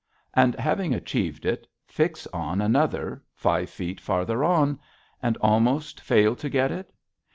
And, having achieved it, fix on another five feet farther on, and almost fail to get it?